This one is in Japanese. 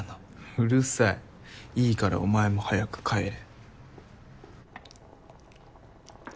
うるさいいいからお前も早く帰れ。